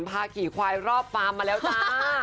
พากี่ควายรอบปาร์มมาแล้วนะ